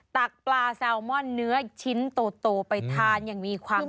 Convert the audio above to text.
ตักปลาแซลมอนเนื้อชิ้นโตไปทานอย่างมีความสุข